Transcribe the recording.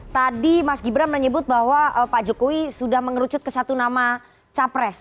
tadi mas gibran menyebut bahwa pak jokowi sudah mengerucut ke satu nama capres